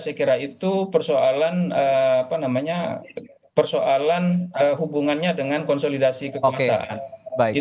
saya kira itu persoalan apa namanya persoalan hubungannya dengan konsolidasi kekuasaan